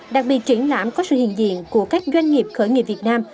đặc biệt triển lãm có sự hiện diện của các doanh nghiệp khởi nghiệp việt nam